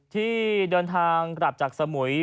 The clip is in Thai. ที่เดินทางกลับจากสมุย